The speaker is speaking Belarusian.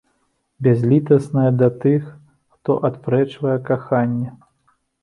Бязлітасная да тых, хто адпрэчвае каханне.